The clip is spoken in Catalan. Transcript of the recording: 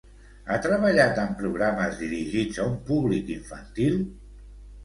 Ha treballat en programes dirigits a un públic infantil?